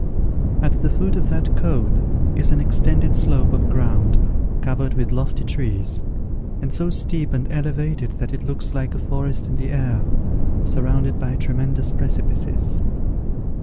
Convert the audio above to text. At the foot of that cone is an extended slope of ground, covered with lofty trees, and so steep and elevated that it looks like a forest in the air, surrounded by tremendous precipices.